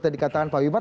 dikatakan pak wimar